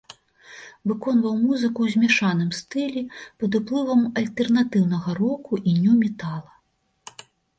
Выконваў музыку ў змяшаным стылі пад уплывам альтэрнатыўнага року і ню-метала.